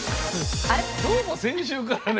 どうも先週からね